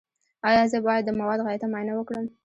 ایا زه باید د مواد غایطه معاینه وکړم؟